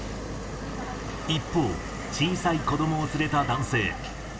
一方、小さい子どもを連れた男性。